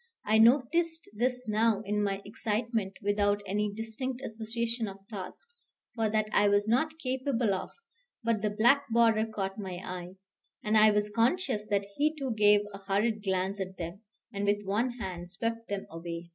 I noticed this now in my excitement without any distinct association of thoughts, for that I was not capable of; but the black border caught my eye. And I was conscious that he too gave a hurried glance at them, and with one hand swept them away.